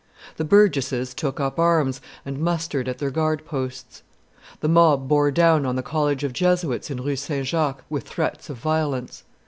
The burgesses took up arms and mustered at their guard posts. The mob bore down on the college of Jesuits in Rue St. Jacques with threats of violence.